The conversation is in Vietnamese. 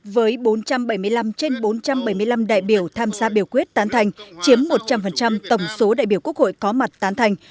với bốn trăm bảy mươi năm trên bốn trăm bảy mươi năm đại biểu tham gia biểu quyết tán thành chiếm một trăm linh tổng số đại biểu quốc hội có mặt tán thành